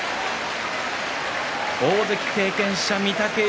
大関経験者、御嶽海